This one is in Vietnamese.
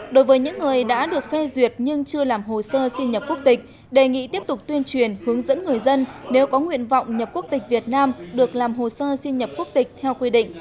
đối với những người đã được phê duyệt nhưng chưa làm hồ sơ xin nhập quốc tịch đề nghị tiếp tục tuyên truyền hướng dẫn người dân nếu có nguyện vọng nhập quốc tịch việt nam được làm hồ sơ xin nhập quốc tịch theo quy định